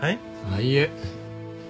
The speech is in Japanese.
あっいえ。